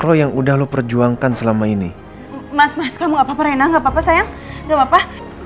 roy yang udah lu perjuangkan selama ini mas kamu apa apa rena nggak papa sayang nggak papa